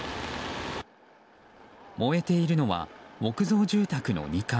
燃えているのは木造住宅の２階。